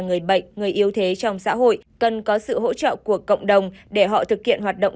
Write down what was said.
người bệnh người yếu thế trong xã hội cần có sự hỗ trợ của cộng đồng để họ thực hiện hoạt động